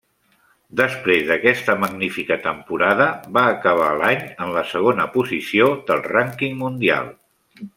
Després d'aquesta magnífica temporada va acabar l'any en la segona posició del rànquing mundial.